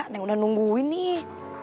neng udah nungguin nih